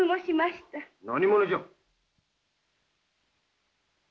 何者じゃ。